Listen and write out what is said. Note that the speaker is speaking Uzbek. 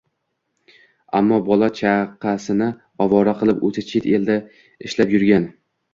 ammo bola-chaqasini ovora qilib, o‘zi chet elda ishlab yurgan